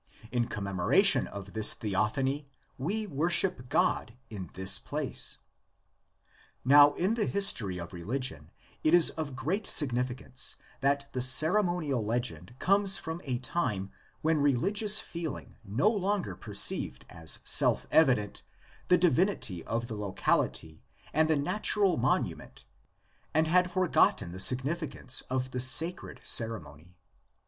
In commemoration of this theophany we worship God in this place. Now in the history of religion it is of great significance that the ceremonial legend comes from a time when religious feeling no longer perceived as self evident the divinity of the locality and the natural monument and had forgotten the significance of the sacred ceremony.